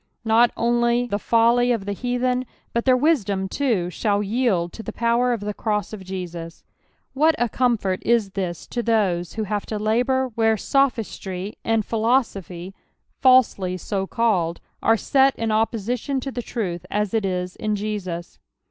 Not only the folly of the heathen, but their wisdom too, shall yield to the power of the cross of Jesus: what a comfort is this to those who have to labour where sophistry, and philo sophy, falsely so called, are set in opposition to tli^ruth as it is in Jesus.